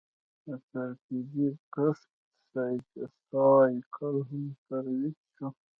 د ترکیبي کښت سایکل هم ترویج شو.